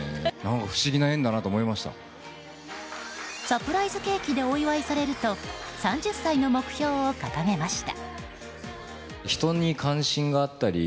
サプライズケーキでお祝いされると３０歳の目標を掲げました。